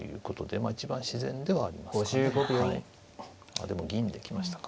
あでも銀で行きましたか。